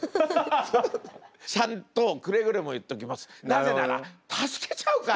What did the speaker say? なぜなら助けちゃうから。